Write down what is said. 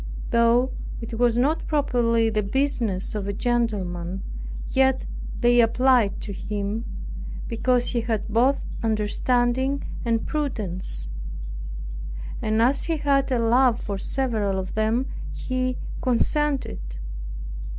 Though it was not properly the business of a gentleman, yet they applied to him, because he had both understanding and prudence; and as he had a love for several of them, he consented.